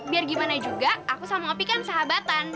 biar gimana juga aku sama opi kan sahabatan